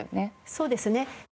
そうですね。